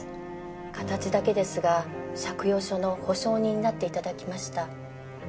形だけですが借用書の保証人になって頂きました。